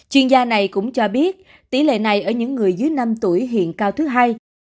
chuyên gia này cũng cho biết tỷ lệ này ở những người dưới năm tuổi hiện cao thứ hai